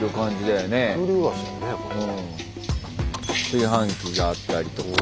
炊飯器があったりとか。